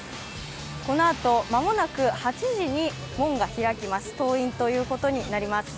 このあと、間もなく８時に門が開きます。